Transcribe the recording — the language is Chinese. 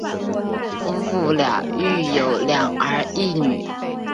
夫妇俩育有两儿一女。